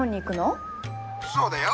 そうだよ。